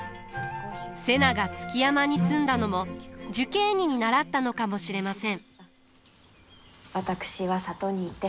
瀬名が築山に住んだのも寿桂尼に倣ったのかもしれません。